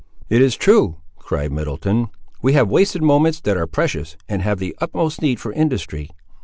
"It is true," cried Middleton; "we have wasted moments that are precious, and have the utmost need of industry."